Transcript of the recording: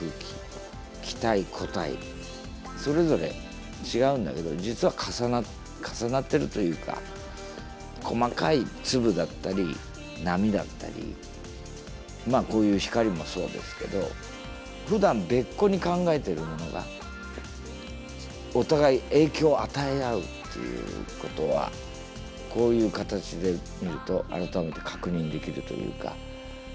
気体固体それぞれ違うんだけど実は重なって重なってるというか細かい粒だったり波だったりこういう光もそうですけどふだん別個に考えているものがお互い影響を与え合うっていうことはこういう形で見ると改めて確認できるというか。